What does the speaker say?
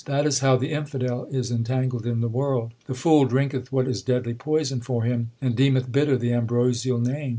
That is how the infidel is entangled in the world. The fool drinketh what is deadly poison for him, And deemeth bitter the ambrosial Name.